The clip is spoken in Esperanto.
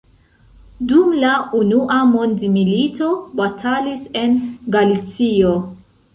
Dum la unua mondmilito batalis en Galicio.